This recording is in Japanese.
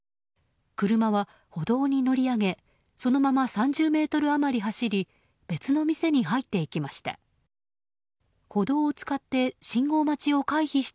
車は歩道に乗り上げそのまま３０ｍ余り走り別の店に入っていきました。